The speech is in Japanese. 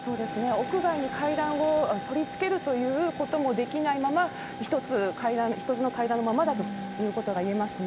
屋外に階段を取り付けるということもできないまま、１つの階段のままだということがいえますね。